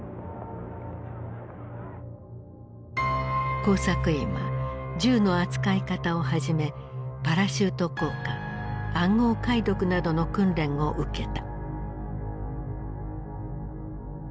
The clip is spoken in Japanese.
工作員は銃の扱い方をはじめパラシュート降下暗号解読などの訓練を受けた。